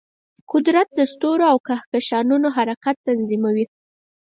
قدرت د ستورو او کهکشانونو حرکت تنظیموي.